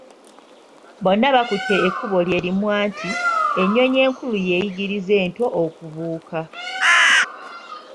Nabo bakutte ekkubo lye limu anti, "ennyonyi enkulu yeeyiriza ento okubuuka."